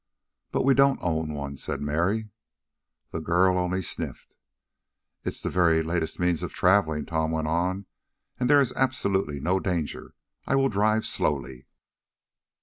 "But we don't own one," said Mary. The girl only sniffed. "It is the very latest means of traveling," Tom went on, "and there is absolutely no danger. I will drive slowly."